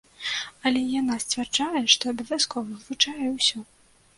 Але і яна сцвярджае, што абавязкова вывучае ўсё.